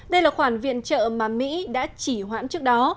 đây là khoản viện trợ mà mỹ đã chỉ hoãn trước đó